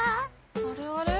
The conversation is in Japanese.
あれあれ？